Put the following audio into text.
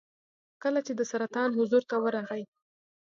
کله چې د سلطان حضور ته ورغی.